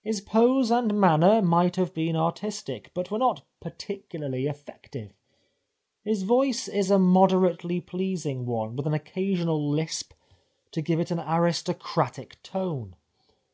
His pose and manner might have been artistic, but were not particularly effective. His voice is a moderately pleasing one, with an occasional lisp to give it an aristocratic tone.